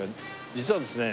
実はですね